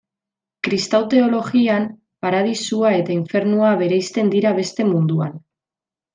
Kristau teologian, paradisua eta infernua bereizten dira beste munduan.